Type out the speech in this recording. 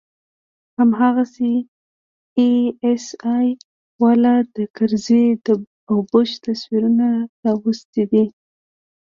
هماغسې آى اس آى والا د کرزي او بوش تصويرونه راوستي دي.